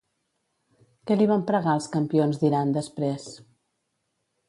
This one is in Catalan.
Què li van pregar els campions d'Iran després?